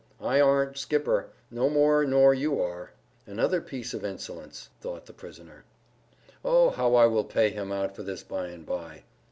I aren't skipper, no more nor you are." "Another piece of insolence," thought the prisoner. "Oh, how I will pay him out for this by and by!"